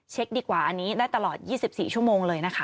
ดีกว่าอันนี้ได้ตลอด๒๔ชั่วโมงเลยนะคะ